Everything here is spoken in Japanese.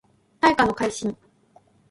大化の改新